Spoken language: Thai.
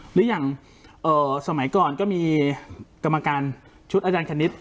หรืออย่างสมัยก่อนก็มีกรรมการชุดอาจารย์คณิต